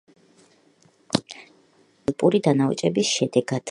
ტავრი ჩამოყალიბდა ალპური დანაოჭების შედეგად.